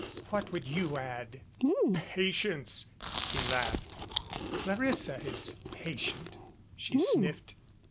"What would you add?" "Patience," he laughed. "Clarissa is patient," she sniffed.